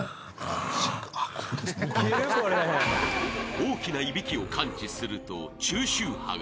［大きないびきを感知すると中周波が］